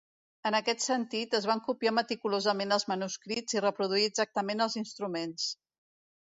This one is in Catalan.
En aquest sentit es van copiar meticulosament els manuscrits i reproduir exactament els instruments.